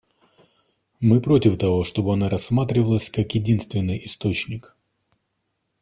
Мы против того, чтобы она рассматривалась как единственный источник.